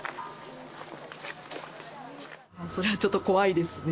それはちょっと怖いですね。